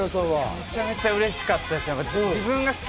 めちゃくちゃうれしかったです。